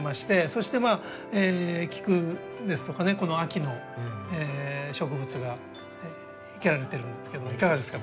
そしてキクですとか秋の植物が生けられてるんですけどいかがですか？